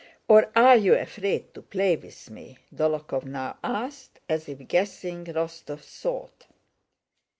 "Or are you afraid to play with me?" Dólokhov now asked as if guessing Rostóv's thought.